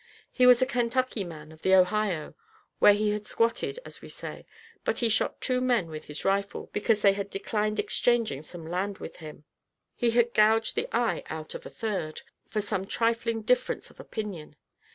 He was a Kentucky man, of the Ohio, where he had 'squatted,' as we say; but he shot two men with his rifle, because they had declined exchanging some land with him. He had gouged the eye out of a third, for some trifling difference of opinion.